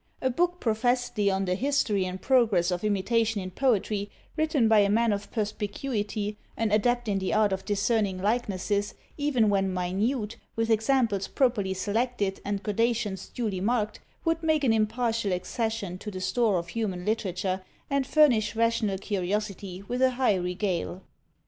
A book professedly on the 'History and Progress of Imitation in Poetry,' written by a man of perspicuity, an adept in the art of discerning likenesses, even when minute, with examples properly selected, and gradations duly marked, would make an impartial accession to the store of human literature, and furnish rational curiosity with a high regale."